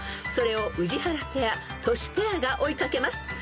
［それを宇治原ペアトシペアが追い掛けます］